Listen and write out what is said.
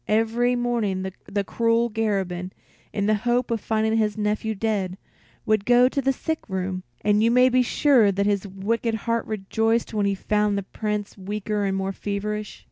Every morning the cruel Garabin, in the hope of finding his nephew dead, would go to the sick room; and you may be sure that his wicked heart rejoiced when he found the Prince weaker and more feverish.